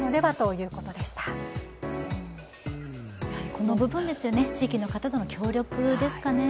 この部分ですよね地域の方との協力ですかね。